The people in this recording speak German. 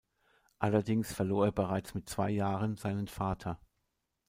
Allerdings verlor er bereits mit zwei Jahren seinen Vater.